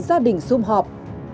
gia đình xung họp